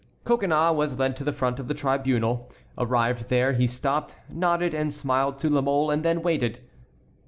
Coconnas was led to the front of the tribunal. Arrived there, he stopped, nodded and smiled to La Mole, and then waited.